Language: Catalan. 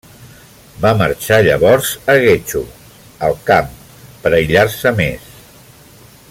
Va marxar llavors a Getxo, al camp, per aïllar-se més.